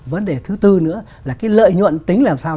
vấn đề thứ tư nữa là cái lợi nhuận tính làm sao